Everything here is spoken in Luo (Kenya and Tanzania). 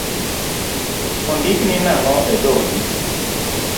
Ondikni nang’o edhodi?